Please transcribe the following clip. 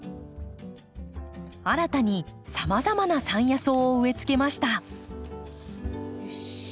新たにさまざまな山野草を植えつけました。